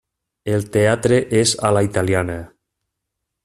El teatre és a la italiana.